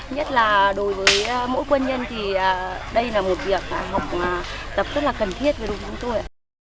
nhất là đối với mỗi quân nhân thì đây là một việc học tập rất là cần thiết với đồng minh tôi